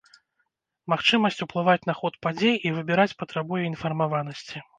Магчымасць уплываць на ход падзей і выбіраць патрабуе інфармаванасці.